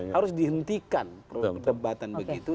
harus dihentikan perdebatan begitu